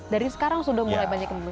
dari sekarang sudah mulai banyak yang belum